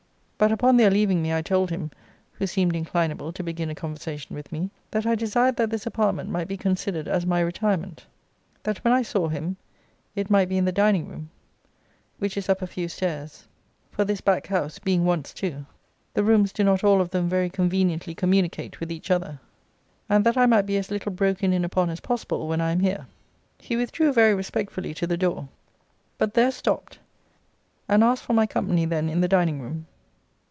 But, upon their leaving me, I told him, (who seemed inclinable to begin a conversation with me,) that I desired that this apartment might be considered as my retirement: that when I saw him it might be in the dining room, (which is up a few stairs; for this back house, being once two, the rooms do not all of them very conveniently communicate with each other,) and that I might be as little broken in upon as possible, when I am here. He withdrew very respectfully to the door, but there stopt; and asked for my company then in the dining room.